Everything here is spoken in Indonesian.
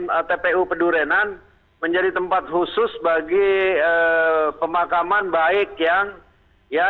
di tpu pedurenan menjadi tempat khusus bagi pemakaman baik yang ya